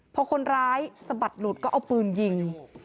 มีคนร้ายสะบัดลุดแล้วก็เอาปืนยิง